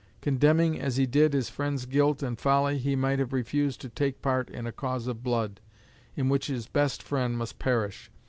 Condemning, as he did, his friend's guilt and folly, he might have refused to take part in a cause of blood, in which his best friend must perish.